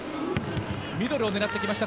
ミドルを狙ってきました。